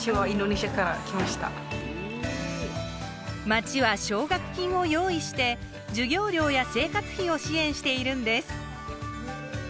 町は奨学金を用意して授業料や生活費を支援しているんです。